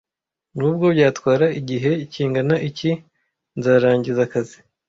Nubwo byatwara igihe kingana iki, nzarangiza akazi.